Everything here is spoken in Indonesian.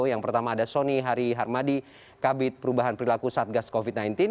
yang pertama ada sony hari harmadi kabit perubahan perilaku satgas covid sembilan belas